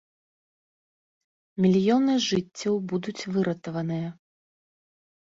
Мільёны жыццяў будуць выратаваныя!